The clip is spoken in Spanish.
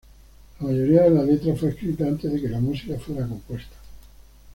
La mayoría de la letra fue escrita antes de que la música fuera compuesta.